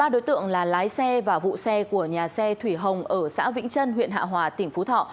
ba đối tượng là lái xe và vụ xe của nhà xe thủy hồng ở xã vĩnh trân huyện hạ hòa tỉnh phú thọ